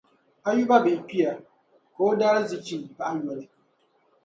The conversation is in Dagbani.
Ayuba bihi kpiya, ka o daarzichi bahi yoli.